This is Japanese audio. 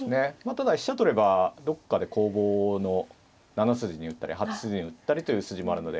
ただ飛車取ればどっかで攻防の７筋に打ったり８筋に打ったりという筋もあるので。